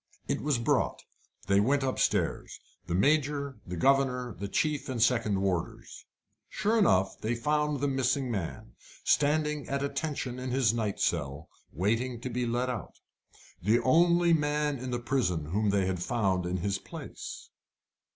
It was brought. They went upstairs the Major, the governor, the chief and second warders. Sure enough they found the missing man, standing at attention in his night cell, waiting to be let out the only man in the prison whom they had found in his place.